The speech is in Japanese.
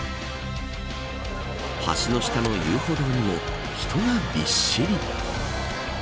橋の下の遊歩道にも人がびっしり。